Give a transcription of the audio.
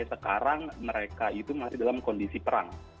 sekarang mereka itu masih dalam kondisi perang